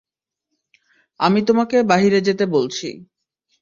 আমি তোমাকে বাহিরে যেতে বলছি।